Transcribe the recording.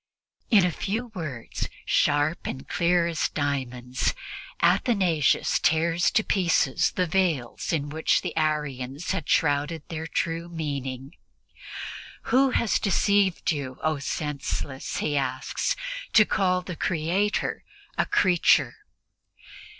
In a few words, sharp and clear as diamonds, Athanasius tears to pieces the veils in which the Arians had shrouded their true meaning. "Who has deceived you, O senseless," he asks, "to call the Creator a creature?"